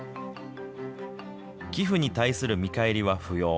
寄付に対する見返りは不要。